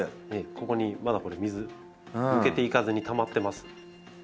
ここにまだこの水抜けていかずにたまってます。